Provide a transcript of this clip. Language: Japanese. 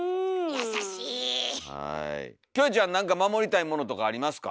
優しい！キョエちゃん何か守りたいものとかありますか？